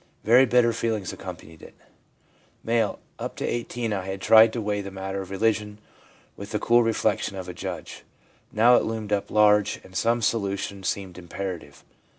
Very bitter feeling accompanied it.' M. ' Up to 18 I had tried to weigh the matter of religion with the cool reflection of a judge. Now it loomed up large, and some solution seemed imperative.